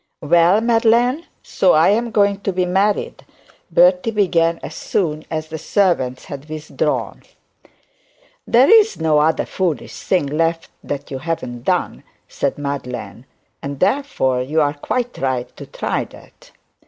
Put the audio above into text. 'Well, Madeline; so I'm going to be married,' Bertie began, as soon as the servants had withdrawn. 'There's no other foolish thing left, that you haven't done,' said Madeline, 'and therefore you are quite right to try that.'